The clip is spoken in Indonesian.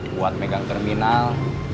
buat megang terminal